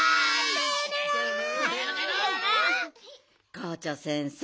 校長先生